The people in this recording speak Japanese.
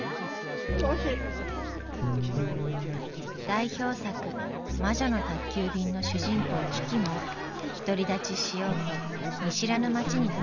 代表作「魔女の宅急便」の主人公キキも独り立ちしようと見知らぬ街に飛び込みます。